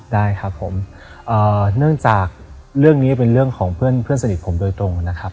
ได้ครับผมเนื่องจากเรื่องนี้เป็นเรื่องของเพื่อนสนิทผมโดยตรงนะครับ